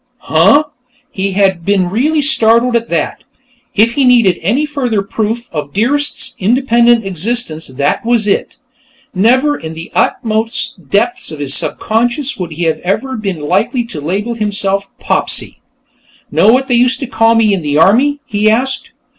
"Huh?" He had been really startled at that. If he needed any further proof of Dearest's independent existence, that was it. Never, in the uttermost depths of his subconscious, would he have been likely to label himself Popsy. "Know what they used to call me in the Army?" he asked.